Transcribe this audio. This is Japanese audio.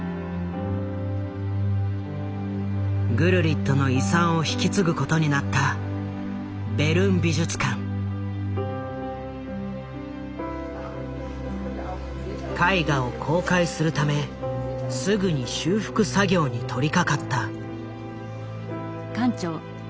グルリットの遺産を引き継ぐことになった絵画を公開するためすぐに修復作業に取りかかった。